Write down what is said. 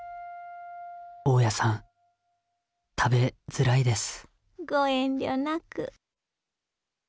大家さん食べづらいですご遠慮なく。